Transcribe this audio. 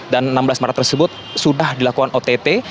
dan enam belas maret tersebut sudah dilakukan ott